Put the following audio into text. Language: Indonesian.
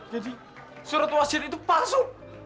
jadi surat wasir itu palsu